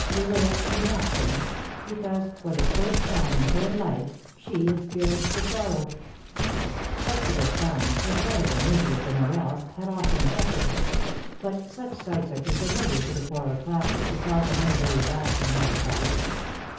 Rigolette did not sing, because, for the first time in her life, she experienced a sorrow. Up to this time, the sight of the misery of the Morels had often affected her; but such sights are too familiar to the poorer classes to cause them any very lasting melancholy.